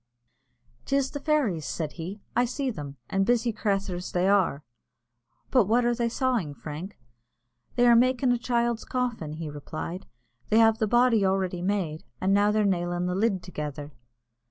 "'Tis the fairies," said he. "I see them, and busy crathurs they are." "But what are they sawing, Frank?" "They are makin' a child's coffin," he replied; "they have the body already made, an' they're now nailin' the lid together."